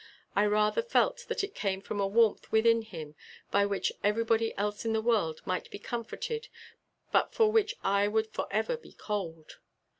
I rather felt that it came from a warmth within him by which everybody else in the world might be comforted but for which I would forever be cold.